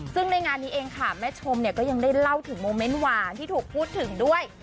ซึ่งในงานนี้เองค่ะแม่ชมเนี่ยก็ยังได้เล่าถึงโมเมนต์หวานที่ถูกพูดถึงด้วย